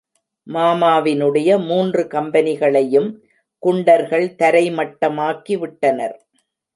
மாமாவினுடைய மூன்று கம்பெனிகளையும் குண்டர்கள் தரைமட்டமாக்கி விட்டனர்.